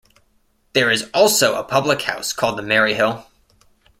There is also a Public house called the Merry Hill.